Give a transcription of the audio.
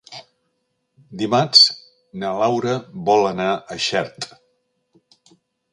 Dimarts na Laura vol anar a Xert.